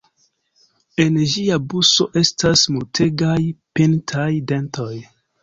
En ĝia buso estas multegaj pintaj dentoj.